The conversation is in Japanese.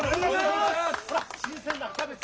ほら新鮮なキャベツ。